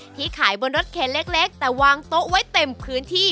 ขายบนรถเคนเล็กแต่วางโต๊ะไว้เต็มพื้นที่